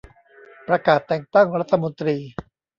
ประกาศแต่งตั้งรัฐมนตรี